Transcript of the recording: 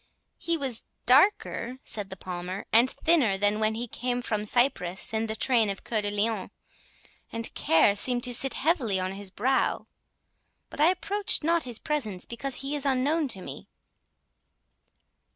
"He was darker," said the Palmer, "and thinner, than when he came from Cyprus in the train of Cœur de Lion, and care seemed to sit heavy on his brow; but I approached not his presence, because he is unknown to me."